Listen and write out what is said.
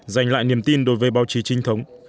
giành lại niềm tin đối với báo chí trinh thống